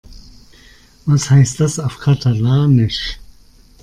Was heißt das auf Katalanisch?